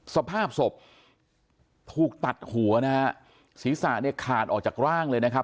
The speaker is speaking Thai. สภาพศพถูกตัดหัวนะฮะศีรษะเนี่ยขาดออกจากร่างเลยนะครับ